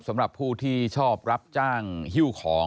สำหรับผู้ที่ชอบรับจ้างฮิ้วของ